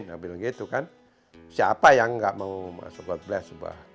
siapa yang tidak ingin membuat god bless